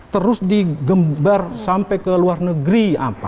terus digembar sampai ke luar negeri